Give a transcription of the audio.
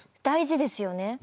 大事ですよね。